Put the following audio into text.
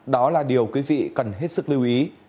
đó là điều quý vị cần hết sức lưu ý